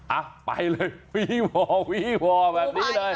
อ่ะไปเลยวีวอร์วีวอร์แบบนี้เลย